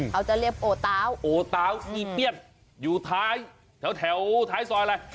เขาจะเรียกโอตาวโอตาวอีเปียนอยู่ท้ายแถวท้ายซอยอะไร